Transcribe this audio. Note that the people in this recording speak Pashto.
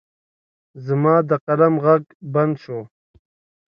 زما د قلم غږ بند شو.